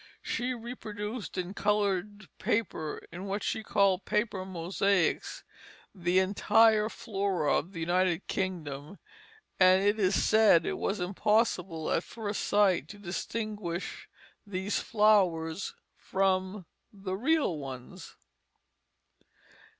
She reproduced in colored paper, in what she called "paper mosaics," the entire flora of the United Kingdom, and it is said it was impossible at first sight to distinguish these flowers from the real ones.